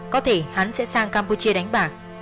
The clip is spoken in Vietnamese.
có thể hắn sẽ sang campuchia đánh bạc